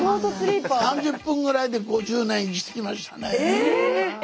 ３０分ぐらいで５０年生きてきましたね。